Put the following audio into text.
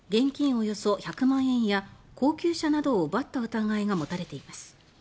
およそ１００万円や高級車などを奪った疑いが持たれています。